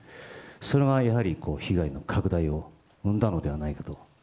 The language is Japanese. それがやはり被害の拡大を生んだのではないかと。